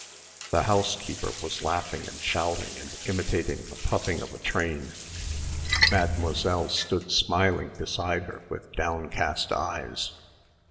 The housekeeper was laughing and shouting and imitating the puffing of a train. Mademoiselle stood smiling beside her with downcast eyes.